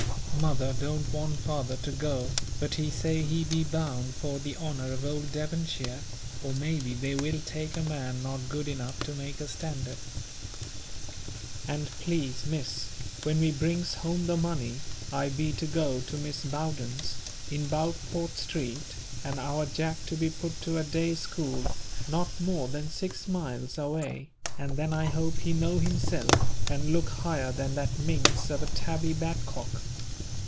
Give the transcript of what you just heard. Mother don't want father to go, but he say he be bound for the honour of old Devonshire, or maybe they will take a man not good enough to make a standard. And please, Miss, when we brings home the money, I be to go to Miss Bowden's, in Boutport Street, and our Jack to be put to a day school not more than six miles away, and then I hope he know himself, and look higher than that minx of a Tabby Badcock.